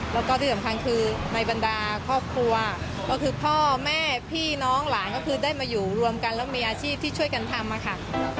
แล้วก็ที่สำคัญคือในบรรดาครอบครัวก็คือพ่อแม่พี่น้องหลานก็คือได้มาอยู่รวมกันแล้วมีอาชีพที่ช่วยกันทำค่ะ